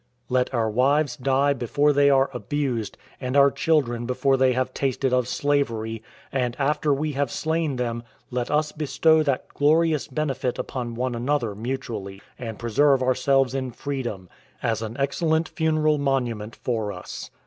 Let our wives die before they are abused, and our children before they have tasted of slavery; and after we have slain them, let us bestow that glorious benefit upon one another mutually, and preserve ourselves in freedom, as an excellent funeral monument for us.